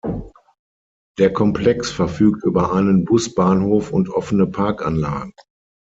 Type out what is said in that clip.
Der Komplex verfügt über einen Busbahnhof und offene Parkanlagen.